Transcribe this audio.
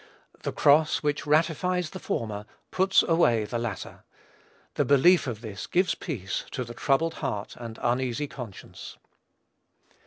The cross, which ratifies the former, puts away the latter. The belief of this gives peace to the troubled heart and uneasy conscience.